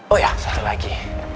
oh ya satu lagi